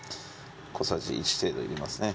小さじ１程度入れますね。